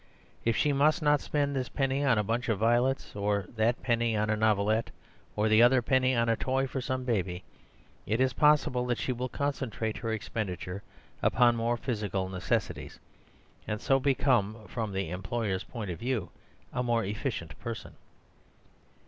If she must not spend this penny on a bunch of violets, or that penny on a novelette, or the other penny on a toy for some baby, it is possible that she will concentrate her expenditure more upon physical necessities, and so become, from the employer's point of view, a more efficient person.